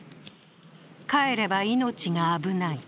帰れば命が危ない。